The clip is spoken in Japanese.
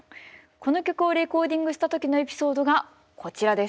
この曲をレコーディングした時のエピソードがこちらです。